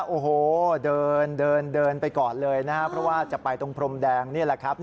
โอ้โหเดินเดินไปก่อนเลยนะครับเพราะว่าจะไปตรงพรมแดงนี่แหละครับ